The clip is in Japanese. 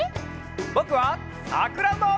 ぼくはさくらんぼ！